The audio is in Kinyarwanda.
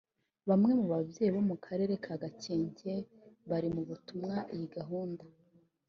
Bamwe mu babyeyi bo mu karere ka Gakenke bari mu batumva iyi gahunda